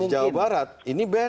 dan di jawa barat ini beda